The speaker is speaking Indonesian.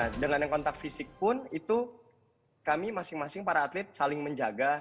nah dengan yang kontak fisik pun itu kami masing masing para atlet saling menjaga